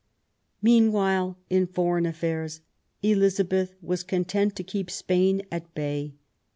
Meanwhile, in foreign affairs, Elizabeth was con tent to keep Spain at bay.